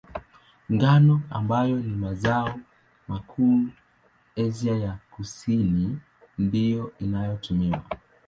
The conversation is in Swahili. Ngano, ambayo ni mazao makuu Asia ya Kusini, ndiyo inayotumiwa.